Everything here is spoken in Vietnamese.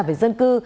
về dân cư